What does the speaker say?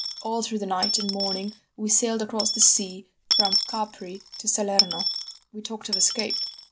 "All through the night and morning that we sailed across the sea from Capri to Salerno, we talked of escape.